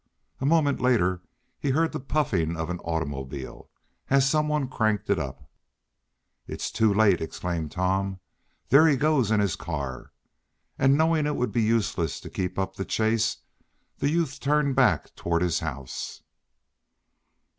A moment later he heard the puffing of an automobile, as some one cranked it up. "It's too late!" exclaimed Tom. "There he goes in his car!" And knowing it would be useless to keep up the chase, the youth turned back toward his house.